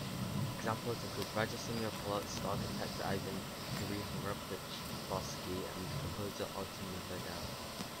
Examples include writer Simeon of Polotsk, architect Ivan Hryhorovych-Barskyi, and composer Artemy Vedel.